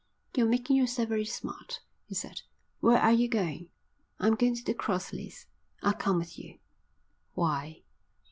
"You're making yourself very smart," he said. "Where are you going?" "I'm going to the Crossleys." "I'll come with you." "Why?"